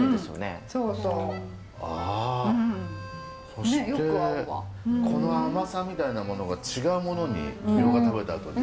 そしてこの甘さみたいなものが違うものにミョウガ食べたあとに。